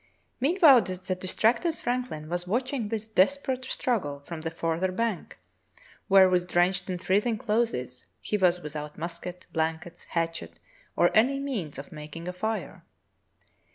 Meantime the distracted Frankhn was watching this desperate struggle from the farther bank, where with drenched and freezing clothes he was without musket, blankets, hatchet, or any means of making a fire.